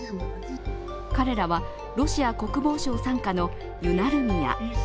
彼らはロシア国防省傘下のユナルミヤ。